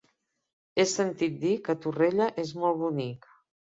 He sentit a dir que Torrella és molt bonic.